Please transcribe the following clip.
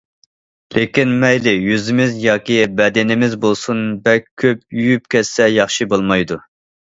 لېكىن مەيلى يۈزىمىز ياكى بەدىنىمىز بولسۇن، بەك كۆپ يۇيۇپ كەتسە ياخشى بولمايدۇ.